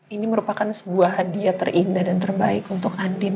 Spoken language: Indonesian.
ini merupakan sebuah hadiah terindah dan terbaik untuk andin